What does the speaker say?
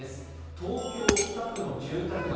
東京・北区の住宅街